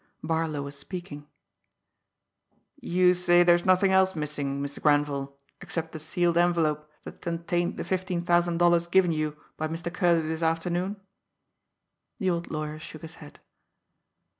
Barlow was speaking: "You say there's nothing else missing, Mr. Grenville, except the sealed envelope that contained the fifteen thousand dollars given you by Mr. Curley this afternoon?" The old lawyer shook his head.